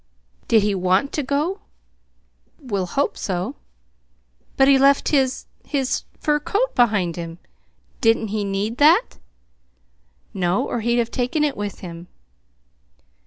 "Did he want to go?" "We'll hope so." "But he left his his fur coat behind him. Didn't he need that?" "No, or he'd have taken it with him."